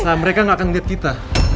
rik mereka gak akan lihat kita